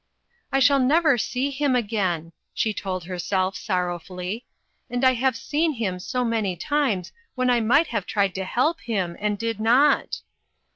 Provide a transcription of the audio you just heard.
" I shall never see him again," she told herself, sorrowfully, "and I have seen him so many times when I might have tried to help him, and did not